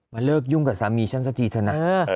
เลิกยุ่งกับสามีฉันสักทีเถอะนะ